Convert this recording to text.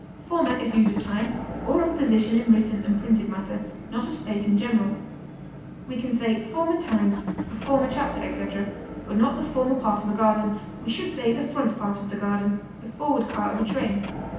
Former is used of time, or of position in written or printed matter, not of space in general. We can say former times, a former chapter, etc., but not the former part of a garden; we should say the front part of the garden, the forward car of a train.